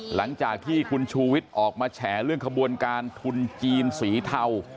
หลังจากที่คุณชูวิทย์ออกมาแฉเรื่องขบวนการทุนจีนสีเทา